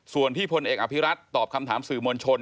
ส่วนที่พลเอกอภิรัตตอบคำถามสื่อมวลชน